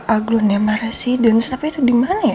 aglonema residence tapi itu dimana ya